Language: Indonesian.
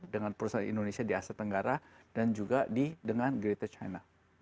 dengan perusahaan indonesia di asia tenggara dan juga dengan greathed china